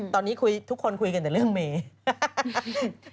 ตอนนี้ทุกคนคุยกันแต่เรื่องเมย์